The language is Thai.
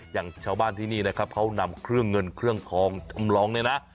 อย่างชาวบ้านที่นี่นะครับเขานำเครื่องเงินเครื่องทองจำลองเนี่ยนะ